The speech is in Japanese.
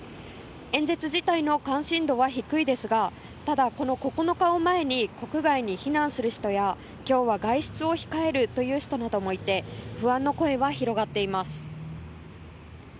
演説自体の関心度は低いですがただ、この９日を前に国外に避難する人や今日は外出を控えるという人もいて不安の声は広がっています。